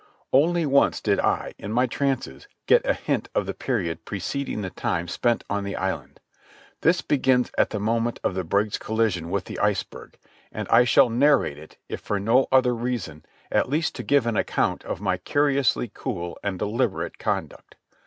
Only once did I, in my trances, get a hint of the period preceding the time spent on the island. This begins at the moment of the brig's collision with the iceberg, and I shall narrate it, if for no other reason, at least to give an account of my curiously cool and deliberate conduct.